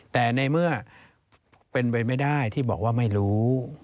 แต่ในเมื่อเป็นไปไม่ได้ที่บอกว่าไม่รู้